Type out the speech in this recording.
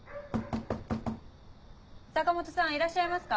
坂本さんいらっしゃいますか？